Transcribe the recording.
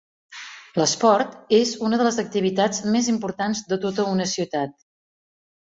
L'esport és una de les activitats més importants de tota una ciutat.